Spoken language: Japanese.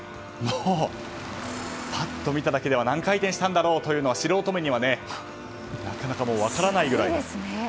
パッと見ただけでは何回転したんだろうというのは素人目にはなかなか分からないくらいの。